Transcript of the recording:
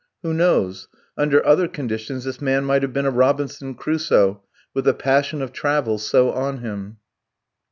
Who knows? under other conditions this man might have been a Robinson Crusoe, with the passion of travel so on him.